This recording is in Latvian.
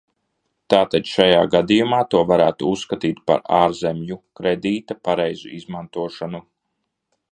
Tātad šajā gadījumā to varētu uzskatīt par ārzemju kredīta pareizu izmantošanu.